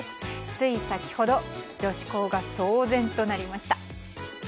つい先ほど女子校が騒然となりました。